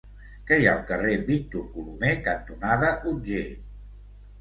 Què hi ha al carrer Víctor Colomer cantonada Otger?